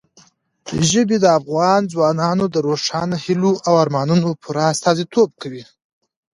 ژبې د افغان ځوانانو د روښانه هیلو او ارمانونو پوره استازیتوب کوي.